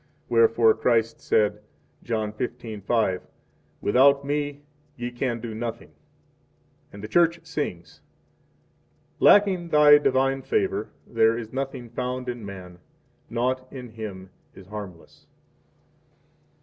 39 Wherefore Christ said, John 15:5: Without Me ye can do nothing; 40 and the Church sings: Lacking Thy divine favor, There is nothing found in man, Naught in him is harmless.